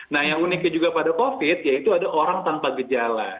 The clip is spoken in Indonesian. nah yang uniknya juga pada covid yaitu ada orang tanpa gejala